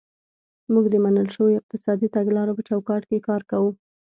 موږ د منل شویو اقتصادي تګلارو په چوکاټ کې کار کوو.